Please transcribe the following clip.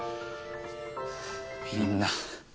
みんな。